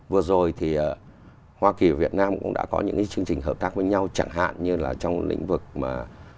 vừa rồi thì hoa kỳ và việt nam cũng đã có những cái chương trình hợp tác với nhau chẳng hạn như là trong lĩnh vực mà